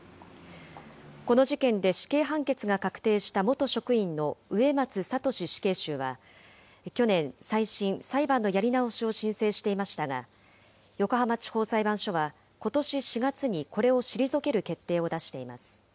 この事件で死刑判決が確定した元職員の植松聖死刑囚は、去年、再審・裁判のやり直しを申請していましたが、横浜地方裁判所は、ことし４月にこれを退ける決定を出しています。